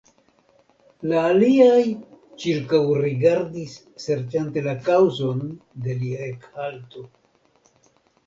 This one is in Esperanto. La aliaj ĉirkaŭrigardis serĉante la kaŭzon de lia ekhalto.